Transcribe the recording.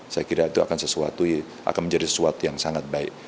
saya kira itu akan sesuatu akan menjadi sesuatu yang sangat baik